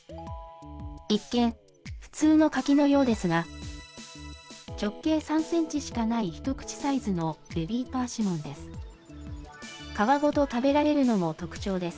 一見、普通の柿のようですが、直径３センチしかない一口サイズのベビーパーシモンです。